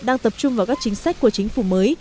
đang tập trung vào các chính sách của chính phủ mới